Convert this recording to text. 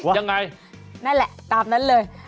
ยังไงนั่นแหละตามนั้นเลย